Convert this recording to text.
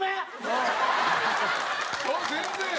あっ全然。